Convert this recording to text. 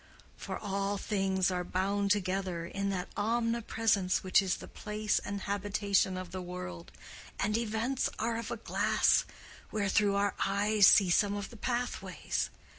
For all things are bound together in that Omnipresence which is the place and habitation of the world, and events are of a glass wherethrough our eyes see some of the pathways.